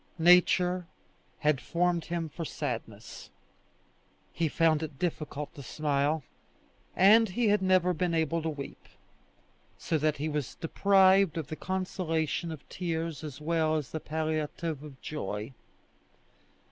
Nature had formed him for sadness. He found it difficult to smile, and he had never been able to weep, so that he was deprived of the consolation of tears as well as of the palliative of joy.